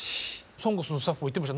「ＳＯＮＧＳ」のスタッフも言ってました。